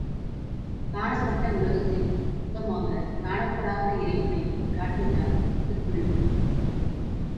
காணப்பட்ட உலகத்தின் மூலமாகக் காணப்படாத இறைவனைக் காட்டுகிறார் திருவள்ளுவர்.